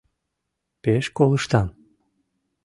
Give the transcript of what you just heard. Пеш колыштам...